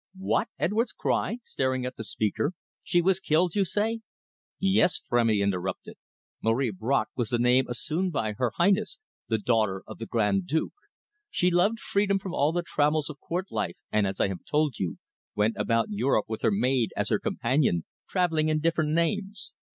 "What?" Edwards cried, staring at the speaker. "She was killed, you say?" "Yes," Frémy interrupted, "Marie Bracq was the name assumed by her Highness, the daughter of the Grand Duke. She loved freedom from all the trammels of court life, and as I have told you, went about Europe with her maid as her companion, travelling in different names.